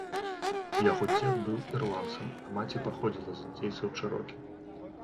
Яго дзед быў ірландцам, а маці паходзіла з індзейцаў чэрокі.